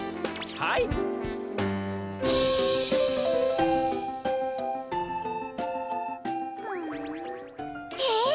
はあえっ！？